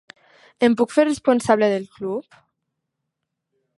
Em puc fer responsable del club?